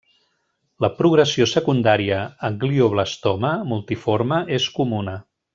La progressió secundària a glioblastoma multiforme és comuna.